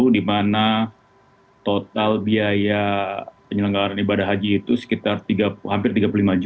dimana total biaya penyelenggaraan ibadah haji itu sekitar hampir rp tiga puluh lima